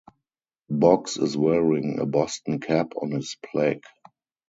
Boggs is wearing a Boston cap on his plaque.